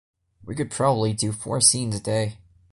We could probably do four scenes a day.